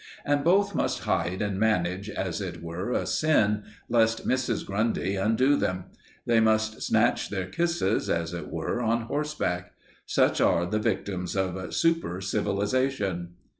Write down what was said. And both must hide and manage as if it were a sin, lest Mrs. Grundy undo them; they must snatch their kisses, as it were, on horseback. Such are the victims of supercivilization!